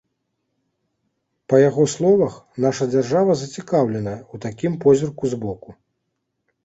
Па яго словах, наша дзяржава зацікаўленая ў такім позірку збоку.